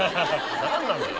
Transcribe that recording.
何なのよ